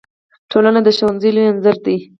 ټولنه د ښوونځي لوی انځور دی.